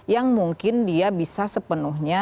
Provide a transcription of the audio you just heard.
yang mungkin dia bisa sepenuhnya